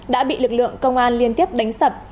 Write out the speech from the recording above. đã bị lực lượng công an liên tiếp đánh sập